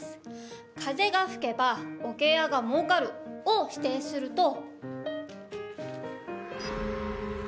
「風が吹けば桶屋がもうかる」を否定すると。